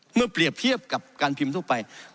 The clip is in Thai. เมื่อเปรียบเทียบกับการพิมพ์ทั่วไป